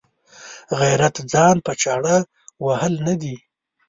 غیرت ځان په چاړه وهل نه دي.